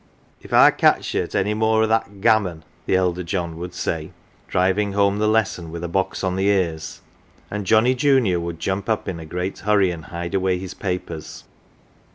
" If I catch ye at any more o' that gammon !" the elder John would say, driving home the lesson with a box on the ears ; and Johnnie junior would jump up in a great hurry and hide away his papers.